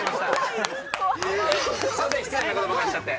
すいません、失礼なことばかりしちゃって。